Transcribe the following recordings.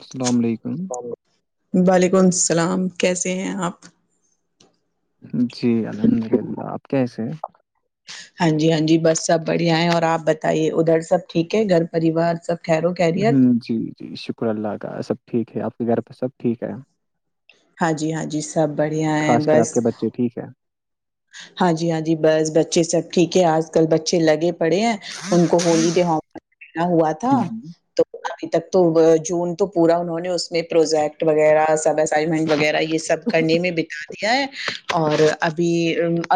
السلام علیکم وعلیکم السلام کیسے ہیں آپ جی الحمد للہ آپ کیسے ہیں ہاں جی ہاں جی بس سب بڑھیا ہے اور آپ بتائیے ادھر سب ٹھیک ہے گھر پریوار سب خیر و خیریت جی جی شکر اللہ کا سب ٹھیک ہے آپ کے گھر پہ سب ٹھیک ہے ہاں جی ہاں جی سب بڑھیا ہیں خاص کر بس آپ کے بچے ٹھیک ہے [unintelligible] ہاں جی ہاں جی بس بچے سب ٹھیک ہے آج کل بچے لگے پڑے ہیں ان کو ہولی ڈےنا ہوا تھا ہوں تو [unintelligible] ابھی تک تو جون تو پورا انہوں نے اس میں پروجیکٹ وغیرہ سب اسائنمنٹ وغیرہ یہ سب کرنے میں بتا دیا ہے اور ابھی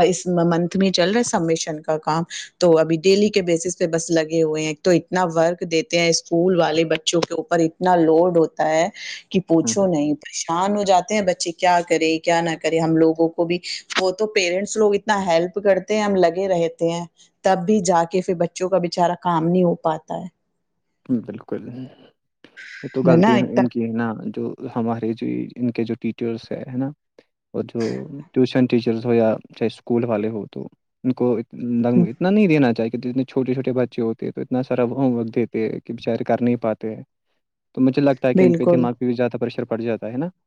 اس منتھ میں چل رہا ہے سمیشن کا کام تو ابھی ڈیلی کے بیسس پہ بس لگے ہوئے ہیں تو اتنا ورک دیتے ہیں اسکول والے بچوں کے اوپر اتنا لوڈ ہوتا ہے کہ ہوں پوچھو نہیں پریشان ہو جاتے ہیں بچے کیا کرے کیا نہ کرے ہم لوگوں کو بھی تو پیرنٹس لوگ اتنا ہیلپ کرتے ہیں ہم لگے رہتے ہیں تب بھی جا کے پھر بچوں کا بچارا کام نہیں ہو پاتا ہے بالکل یہ تو ہے غلط نا ان کی اتنا ہے نا جو ہمارے جو ان کے جو ٹیچرس ہے نا اور جو ٹیوشن ٹیچرس ہو یا چاہے اسکول والے ہو تو ان کو ل اتنا نہیں دین چاہےت [unintelligible] چھوٹے چھوٹے بچے ہوتے ہیں تو اتنا سارا ہوم ورک دیتے ہیں کہ بچارے کر نہیں پاتے تو مجھے لگتا ہے کہ ان پہ بالکل دما بھی زیادہ پریشر پڑ جاتا ہےا [unintelligible]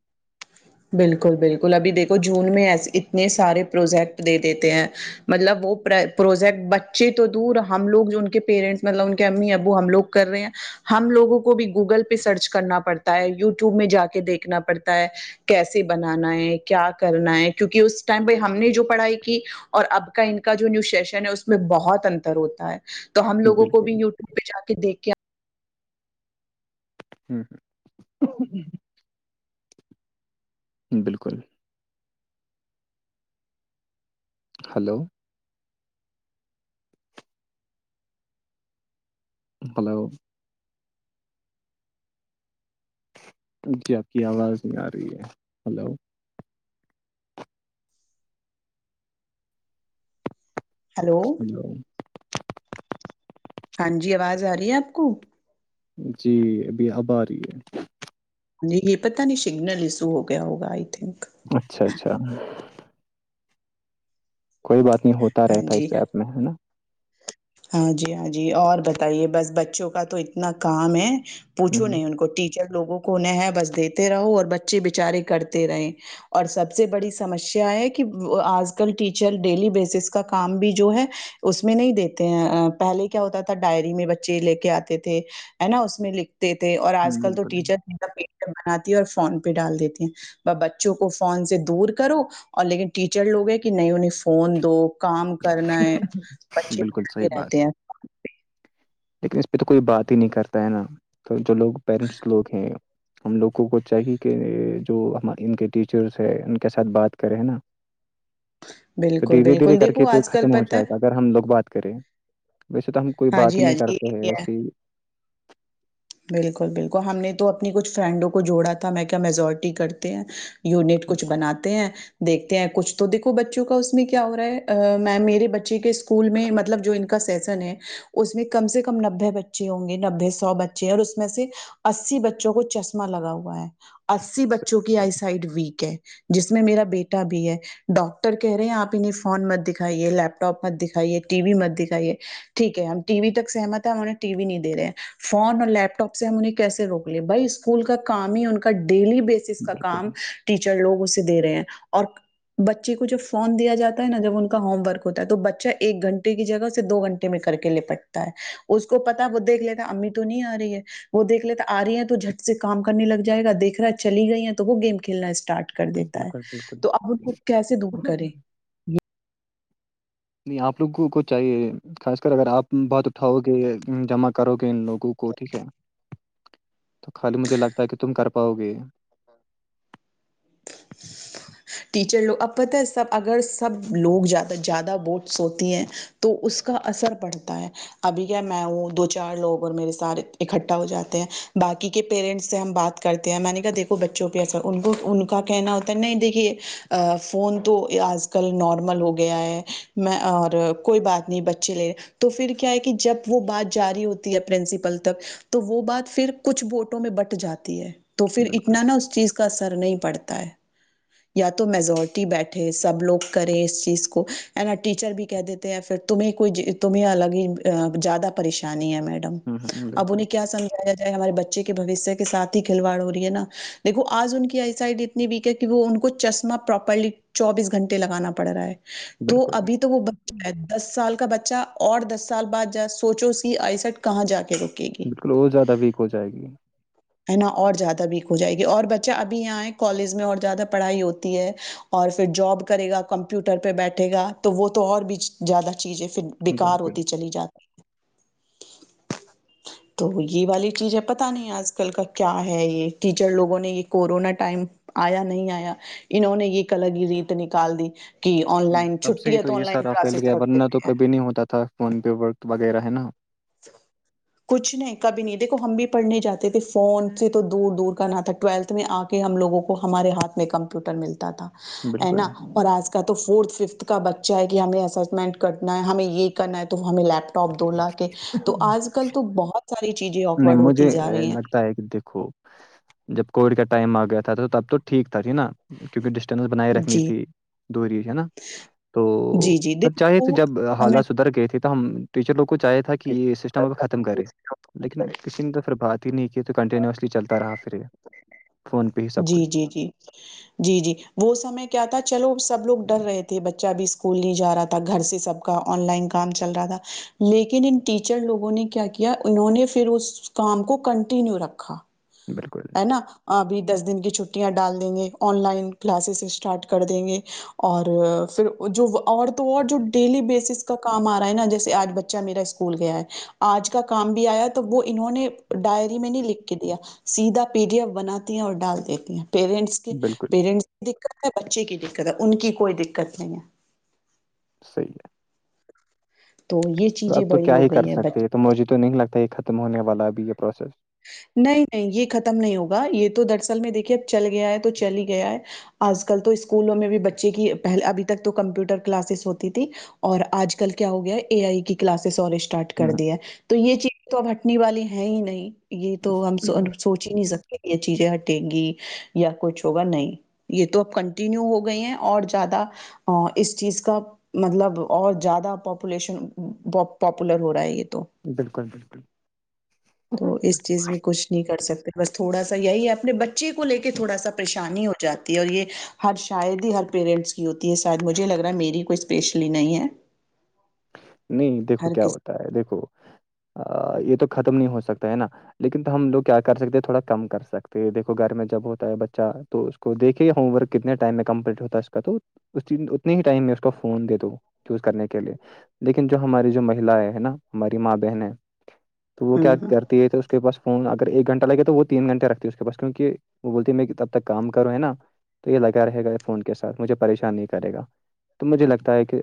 بالکل بالکل ابھی دیکھو جون میں ایسے اتنے سارے پروجیکٹ دے دیتے ہیں مطلب وہ پروجیکٹ بچے تو دور ہم لوگ جو ان کے پیرنٹس مطلب ان کے امی ابو ہم لوگ کر رہے ہیں ہم لوگوں کو بھی گوگل پہ سرچ کرنا پڑتا ہے یوٹیوب میں جا کے دیکھنا پڑتا ہے کیسے بنانا ہے کیا کرنا ہے کیونکہ اس ٹائم بائی ہم نے جو پڑھائی کی اور اب کا ان کا جو نیو سیشن ہے اس میں بہت انتر ہوتا ہے تو ہم لگوں کو بالکل بھی و ٹیوب پہ جا کے دیکھ کے ہوں ہ [unintelligible] بالکل ہلو ہلو جی آپ کی آواز نہیں آ رہی ہے ہلو ہیلو ہلو ہاں جی آواز آ رہی ہے آپ کو جی ابھی اب آ رہی ہے یہ پتا نہیں سگنل ایشو ہو گیا ہوگا آئی تھنک اچھا اچھا کوئی بات نہیں ہوتا ہاں رہتا جی اس ایپ میں ہے نا ہاں جی ہاں جی اور بتائیے بس بچوں کا تو اتنا کام ہے پوچھو ہوں نہیں ان کو ٹیچر لوگوں کوہیں ہے بس دیتے رہو اور بچے بچارے کرتے رہے اور سب سے بڑی سمسیا ہے کہ آج کل ٹیچر ڈیلی بیسس کا کام بھی جو ہے اس میں نہیں دیتے پہلے کیا ہوتا تھا ڈائری میں بچے لے کے آتے تھے نا اس میں لکھ دیتے اور آج کل تو بالکل ٹیچر پ بناتی ہے اور فون پہ ڈال دیتی ہیں بچوں کو فون سے دور کرو اور لیکن ٹیچر لوگ ہیں کہ نہیں انہیں فون دو کام کرنا ہے بچے بالکل پڑتھے صحیح رہتے بات ہیں لیکن اس پہ تو کوئی بات ہی نہیں کرتا ہے نا تو جو لوگ پیرنٹس لوگ ہیں ہم لوگوں کو چاہیے کہ جو ہم ان کے ٹیچرس ہیں ان کے ساتھ بات کریں نا تو بالکل دھیرے دھیرے بالکل کر دیکھو کے تو آج کل ختم ہو پتہ جائے ہے گا اگر ہم لوگ بات کریں ویسے تو ہم کوئی ہاں بات جی ہی ہاں نہیں جی کرتے ہیں یہ ایسی بالکل بالکل ہم نے تو اپنی کچھ فرینڈوں کو جوڑا تھا میں کیا میزورٹی کرتے ہیں یونٹ کچھ بالکل بناتے ہیں دیکھتے ہیں کچھ تو دیکو بچوں کا اس میں کیا ہو رہا ہے میم میرے بچے کے اسکول میں مطلب جو ان کا سیشن ہے اس میں کم سے کم نببے بچے ہوں گے نببے سو بے اور اس میں سے اسی بچوں کو چشما لگا ہوا ہے اسی بچوں کی صحیح، آئی سائڈ ویک ہے جس میں میرا بیٹا بھی ہے ڈاکٹر کہہ رہے ہیں آپ انہیں فون مت دکھائیے لیپٹاپ مت دکھائیے ٹی وی مت دکھائیے ٹھیک ہے ہم ٹی وی تک سہمت ہے ہمہیں ٹی وی نہیں دے رہے فون اور لیپٹاپ سے ہم انہیں کیسے روک لے بھائی اسکول کا کام ہی ان کا ڈیلی بیس اس کا بالکل کام ٹیچر لوگ اسے دے رہے ہیں اور بچے کو جب فون دیا جاتا ہے نا جب ان کا ہوم ورک ہوتا ہے تو بچہ ایک گھنٹے کی جگہ سے دو گھنٹے امی کر کے لپٹتا ہے اس کو پتا وہ دیکھ لیتا امی تو نہیں آ رہی ہے وہ دیکھ لیتا آ رہی ہے تو جھٹ سے کام کرنے لگ جائے گا دیکھ رہا ہے چلی گئی ہیں تو وہ گیم کھیلنا اسٹارٹ کر دیتا ہے بالکل بالکل تو اپ ان کو کیسے دور کریں نہیں نہیں آپ لوگوں کو چاہیے خاص کر اگر آپ بات اٹھاؤ گے جمع کرو گے ان لوگوں کو ٹھیک ہے تو خالی مجھے لگتا ہے کہ تم کر پاؤ گے [unintelligible] ٹیچر لوگ اب پتہ ہے سب اگر سب لوگ زیادہ زیادہ بوٹس ہوتی ہیں تو تو اس کا اثر پڑتا ہے ابھی کیا میں ہوں دو چار لوگ اور میرے ساتے اکٹھا ہو جاتے ہیں باقی کے پیرنٹس سے ہم بات کرتے ہیں میں نے کہا دیکھو بچوں پہ اثر ان کا کہنا ہوتا نہیں دیکھیے فون تو آج کل کل نارمل ہو گیا ہے میں اور کوئی بات نہیں بچے لے تو پھر کیا ہے کہ جب وہ بات جاری ہوتی ہے پرنسپل تک تو وہ بات پھر کچھ بوٹوں میں بٹ جاتی ہے تو پھر ا بالکل اتنا نا اس چیز کا اثر نہیں پڑتا ہے یا تو میزورٹی بیٹھے سب لوگ کرے اس چیز کو نا ٹیچر بھی کہ دیتے تمیں کوئی تمہیں الگ ہی زیادہ پریشانی ہے میڈم ہ اب بالکل انہیں کیا سمجایا جائے ہمارے بچے کے بھشیہ کے ساتھ ہی کھلواڑ ہو رہی ہے نا دیکو آج ان کی آئی سائڈ اتنی ویک ہے کہ وہ ان کو چشمہ پراپرلی چوبیس گھنٹے لگانا پڑ رہا ہے تو بالکل ابھی تو وہ ب دس سال کا بچہ اور دس سال بعد جا سوچو سی آئی سٹ کہاں جا کے رک بالکل اور زیادہ ویک ہو جائے گی ہے نا اور زیادہ بھی ہو جائے گی اور بچہ ابھی یہاں ہے کالج میں اور زیادہ پڑھائی ہوتی ہے اور پھر جاب کرے گا کمپنی پیوٹر پہ بیٹھے گا تو وہ تو اور بھی زیادہ چیزیں پھر بکار بالکل ہوتی چلی جاتی [inaudible] تو یہ والی چیز ہے پتہ نہیں اج کل کا کیا ہے یہ ٹیچر لوگوں نے یہ کورونا ٹائم آیا نہیں آیا انہوں نے ایک الگ ریت نکال دی کہ آن لائن تب سے چھٹی ہی ہے تو آن یہ لائن سارا پھیل کلاسز گیا رکھ ورنہ دیتے تو ہیں کبھی نہیں ہوتا تھا فون پہ ورک وغیرہ ہے نا کچھ نہیں کبھی نہیں دیکھو ہم بھی پڑھنے جاتے تھے فون سے تو دور دور کا نہ تھا ٹویلتھ میں آ کے ہم لگوں کو ہمارے ہاتھ میں کمپیوٹر ملتا تھا ا بالکل نا اور آج کال تو فورتھ ففتھ کا بچہ ہے کہ ہمیں اسمنٹ کرنا ہے ہمیں یہ کرنا ہے تو ہمیں لیپ ٹپ دو لاک کے تو آج کل تو بہت ساری چیزیں نہیں آکورڈ ہوتی مجھے جا اے، رہی ہیں لگتا دیکھو جب کووڈ کا ٹائم آ گیا تھا تو تب تو ٹھیک تھا نا کیونکہ ڈسٹینس بنائی رکھنی جی تھی دوری ہے نا تو جی جی سر چاہے دیکھو توے وہ جب ہمیں حالات سدھر گئے تھے ہم ٹیچر لوگ کو چاہے تھا کہ یہ سسٹم اب ختم کرے لیکن کسی نے تو پھر بات ہی نہیں کی تو کنٹینیوسلی چلتا رہا پھر یہ فون پہ ہی سب جی کچھ جی جی جی جی وہ سمے کیا تھا چلو سب لوگ ڈر رہے تھے بچہ بھی اسکول نہیں جا رہا تھا گھر سے سب آن لائن کام چل رہا تھا لیکن ان ٹیچر لوگوں نے کیا کیا انہوں نے پھر اس اس کام کو کنٹینیو رکھا بالکل ہے نا ابھی دس دن کی چھٹیاں ڈال دیں گے آن لائن کلاسز اسٹارٹ کر دیں گے اور پھر جو اور تو اور جو ڈیلی بیسس کا کام آ رہا ہے نا جیسے آج بچہ میرا اسک کول گیا ہے آج کا کام بھی آیا تو وہ انہوں نے ڈائری میں نہیں لکھ کے دیا سیدھا پیری ایف بناتی ہیں اور ڈال دیتی ہیں پیرنٹس کے بالکل پیرنٹس دقت ہے بچے کی دقت ہے ان کی کوئی دقت نہیں ہے صحیح ہے تو یہ اب چیزیں تو بڑی کیا ہو ہی کر گئی سکتے ہیں تو بچے مجھے تو نہیں لگتا یہ ختم ہونے والا بھی یہ پروسیس نہیں نہیں یہ ختم نہیں ہوگا یہ تو دراصل میں دیکھیے اب چل گیا ہے تو چل ہی گیا ہے آج کل تو اسکولوں میں بھی بچے کی پہلے ابھی تک تو کمپیوٹر کلاسز ہوتی تھی اور آج کل کیا ہو گیا اے آئی کی کلاسز اور اسٹارٹ کر دیا تو یہ چیز تو اب ہٹنے والی ہے ہی نہیں یہ تو ہم سوچ ہی نہیں سکے کہ یہ چیزیں ہٹے گی یا کچھ ہوگا نہیں یہ تو اب کنٹینیو ہو گئی ہیں اور زیادہ اس چیز کا مطلب اور زیادہ پاپولیشن پاپولر ہو رہا ہے یہ تو بالکل بالکل تو اس چیز میں کچھ نہیں کر سکتے بس تھوڑا سا یہی ہے اپنے بچے کو لے کے تھوڑا سا پریشانی ہو جاتی ہے اور یہ ہر شاید ہی ہر پیرنٹس کی ہوتی ہے شاید مجھے لگ رہا ہے میری کوئی اسپیشلی نہیں ہے نہیں دیکھو ہر کیا کس ہوتا ہے دیکھو یہ تو ختم نہیں ہو سکتا ہے نا لیکن تو ہم لوگ کیا کر سکتے ہیں تھوڑا کم کر سکتے دیکھو گھر میں جب ہوتا ہے بچہ تو اس کو دیکھیے ہوم ورک کتنے ٹائم میں کمپلیٹ ہوتا اس کا تو اس اتنے ہی ٹائم میں اس کو فون دے دو یوز کرنے کے لیے لیکن جو ہماری جو مہی ہے ہے نا ہماری ماں بہن ہے تو وہ ہوں، کیا ہوں، کرتے تھ اس کے پاس فون اگر ایک گھنہ لگے تو وہ تین گھنٹے رکھتی ہے اس کے پس کیونکہ وہ بولتی میں تب تک کام کروں ہے نا تو یہ لگا رہے گا فون کے ساتھ مجھے پریشان نہیں کرے گا تو مجھے لگتا ہے کہ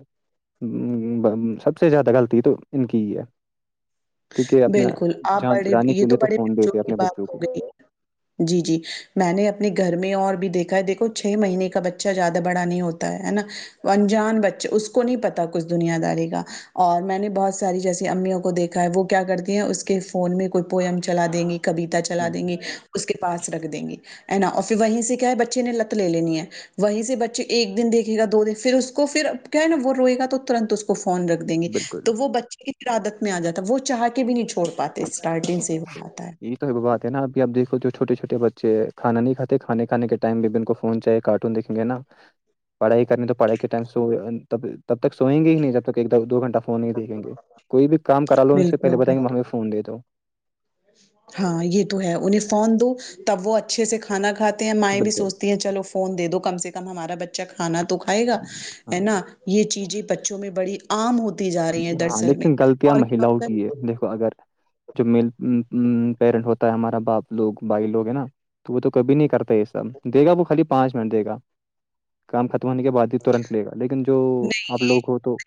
ہمم ہمم سب سے زیادہ غلطی تو ان کی ہی ہے کیونکہ اپنا بالکل آپ جان بڑے چڑانے یہ کے لیے تو بڑے فون بچوں دیتے کی اپنے بچوں بات ہو کو گئی ہے۔ جی جی میں نے اپنے گھر میں اور بھی دیکھا ہے دیکھو چھ مہینے کا بچہ زیادہ بڑا نہیں ہوتا ہے نا انجان بچے اس کو نہیں پتا کچھ دنیا داری کا اور میں نے بہت ساری جیسی امیوں کو دیکھ وہ کیا کرتی ہیں اس کے فون میں کوئی پوئم چلا دیں گی کویتا چلا ہوں دیں ہوں، گی اس کے پاس رکھ دیں گی ہے نا اور پھر وہیں سے کیا ہے بچے نے لت لے لینی ہے وہیں سے بچے ایک دن دیکھے گا دو دن پھر اس کو پھر کیا ہے نا وہ روئے گا تو ترنت اس کو فون رکھے دیں گے بالکل تو وہ بچے کی عادت میں آ جاتا ہے وہ چاہ کے بھی نہیں چھوڑتے پات اسٹارٹنگ سے ہی باتتا ہے یہی تو بات ہےا اب آبیکھو جو چھوے چھوٹے بچے کھانا نہیں کھے کھان کھانے کے ٹائ میں بھی ان کو فوناہیے کارٹون دیکیں گے نا پڑھائی کرنی تو پڑھائی کے ٹائم سو تب تک سوئیں گے ہی نہیں جب تک ایک دو گنٹہ فون نہیں دیکھیں گے کوئی بھی کام کرا لو ان سے بالکل، پہل بالکل۔ بتائیں گے ہمیں فون دے دو ہاں یہ تو ہے انہیں فون دو تب وہ ا اچھے سے کھانا کھاتے ہیں مائیں بھی بالکل سوچتی ہیں چلو فون دے دو کم سے کم ہمارا بچہ کھانا کھائے گا ہاں ہے نا یہ چیزیں بچوں میں بڑی عام ہوتی جا رہی ہیں ہاں دراصل میں لیکن غلطیاں اور کیا مہیلاؤں ہوتا ہے کی اگر [unintelligible] [unintelligible] جو میل پیرنٹ ہوتا ہے ہمارا باپ لوگ بھائی لوگ ہیں نا تو وہ تو کبھی نہیں کرتا یہ سب دے گا وہ خالی پانچ منٹ دے گا کام ختم ہونے کے بعد ہی تورنت لے گا لیکن جو آپ لوگ ہو تو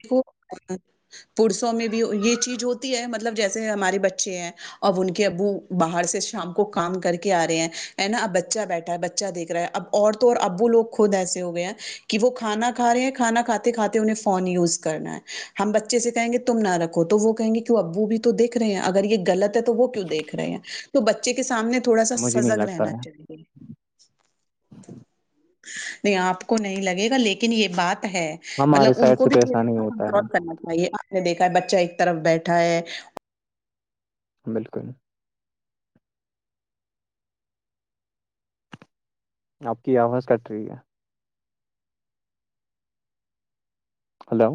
پسوں میں بھی یہ چیز ہوتی ہے مطلب جیسے ہمارے بچے ہیں اب ان کے ابو باہر سے شام کو کام کر کے آ رہے ہیں ہے نا اب بچہ بیٹھا ہے بچہ دیک رہا ہے اب اور تو اور اب وہ لگ خود ایسے ہو گئے ہیں وہ کھانا کھا رہے ہیں کھانا کھاتے کھاتے انہیں فون یوز کرنا ہے ہم بچے سے کہیں گے تو تم نہ رکھو تو وہ کہیں گے کہ ابو بھی تو دیکھ رہ ہیں اگر یہ غلت تو وہ کیوں دیکھ رہے ہیں تو بچے کے سامنے تھوڑا سا مجھے نہیں سزگ لگتا رہنا ہے چاہیے نہیں آپ کو نہیں لگے گا لیکن یہ بات ہے ہمارے مطلب ان سائڈ کو سے تو بھی تھڑے ایسا د نہیں ہوتا کنٹرول ہے کرنا چاہیے آپ دیکھا ہے بچہ ایک طرف بیٹھا ہے بالکل آپ کی آواز کٹ رہی ہے ہلو